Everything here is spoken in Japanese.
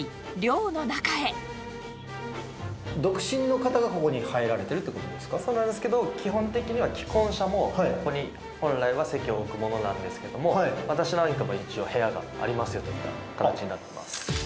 独身の方がここに入られていそうなんですけど、基本的には既婚者もここに本来は籍を置くものなんですけれども、私のほうも部屋が一応、ありますよという形になってます。